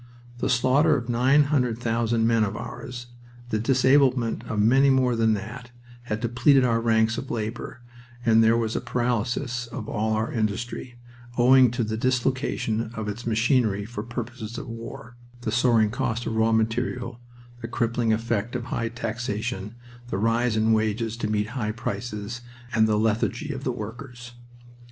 The slaughter of 900,000 men of ours, the disablement of many more than that, had depleted our ranks of labor, and there was a paralysis of all our industry, owing to the dislocation of its machinery for purposes of war, the soaring cost of raw material, the crippling effect of high taxation, the rise in wages to meet high prices, and the lethargy of the workers.